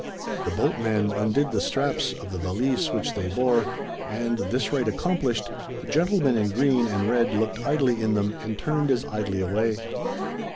The boatman undid the straps of the valise which they bore, and this rite accomplished, the gentleman in green and red looked idly in them and turned as idly away.